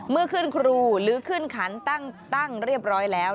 เมื่อขึ้นครูหรือขึ้นขันตั้งเรียบร้อยแล้ว